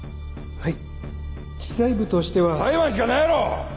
はい。